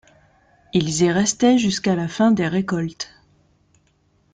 Ils y restaient jusqu’à la fin des récoltes.